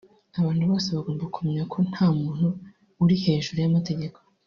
Abantu bose bagomba kumenya ko nta muntu uri hejuru y’amategeko